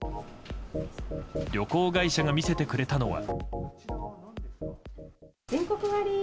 旅行会社が見せてくれたのは。